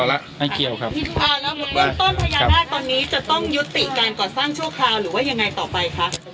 แล้วไม่เกี่ยวครับอ่าแล้วเบื้องต้นพญานาคตอนนี้จะต้องยุติการก่อสร้างชั่วคราวหรือว่ายังไงต่อไปคะ